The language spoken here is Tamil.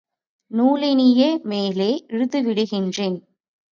நூலேணியை மேலே இழுத்துவிடுகிறேன்.